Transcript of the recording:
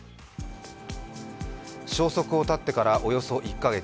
消息を絶ってからおよそ１か月。